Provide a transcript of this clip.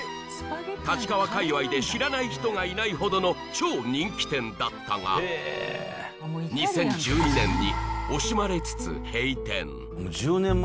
立川界隈で知らない人がいないほどの超人気店だったが２０１２年に惜しまれつつ閉店